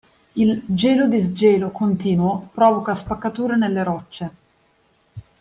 Il gelo-disgelo continuo provoca spaccature nelle rocce